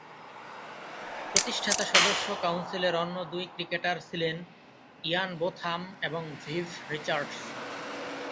প্রতিষ্ঠাতা সদস্য কাউন্সিলের অন্য দুই ক্রিকেটার ছিলেন ইয়ান বোথাম এবং ভিভ রিচার্ডস।